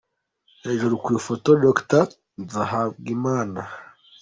Hejuru ku ifoto : Dr Nzahabwanimana.